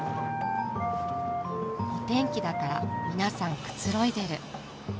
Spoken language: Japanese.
お天気だから皆さんくつろいでる。